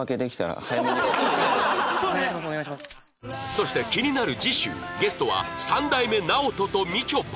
そして気になる次週ゲストは三代目 ＮＡＯＴＯ とみちょぱ